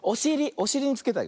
おしりにつけたい。